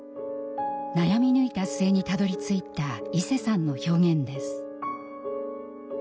悩み抜いた末にたどりついたいせさんの表現です。